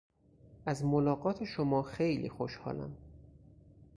از ملاقات شما خیلی خوشحالم.